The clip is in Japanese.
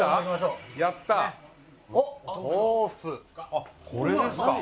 あっこれですか？